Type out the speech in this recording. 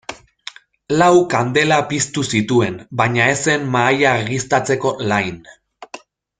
Lau kandela piztu zituen baina ez zen mahaia argiztatzeko lain.